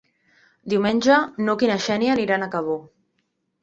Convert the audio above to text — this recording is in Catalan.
Diumenge n'Hug i na Xènia aniran a Cabó.